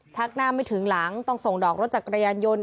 หน้าไม่ถึงหลังต้องส่งดอกรถจักรยานยนต์